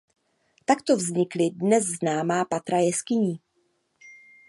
Takto vznikly dnes známá patra jeskyní.